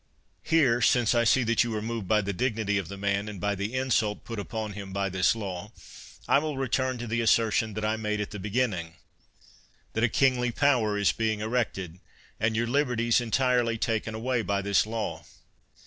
Here, since I see that you are moved by the dignity of the man, and by the insult put upon him by this law, I will return to the assertion that I made at the beginning, that a kingly power is being erected, and your liberties en tirely taken away by this law.